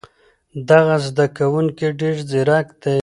دغه زده کوونکی ډېر ځیرک دی.